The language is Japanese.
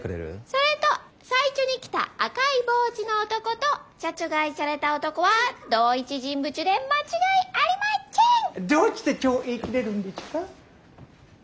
それとさいちょに来た赤いボウチの男と殺害ちゃれた男はどういちゅ人物で間違いありまちぇん！どうちてちょう言い切れるんでちゅか？